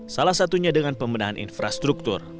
salah satunya dengan pembenahan infrastruktur